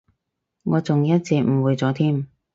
我仲一直誤會咗添